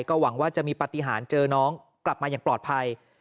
ก็หวังว่าจะมีปฏิหารเจอน้องกลับมาอย่างปลอดภัย